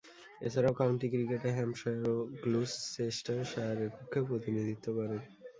এছাড়াও, কাউন্টি ক্রিকেটে হ্যাম্পশায়ার ও গ্লুচেস্টারশায়ারের পক্ষেও প্রতিনিধিত্ব করেন।